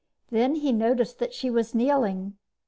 Then he noticed that she was kneeling.